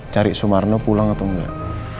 cari sumarno pulang atau enggak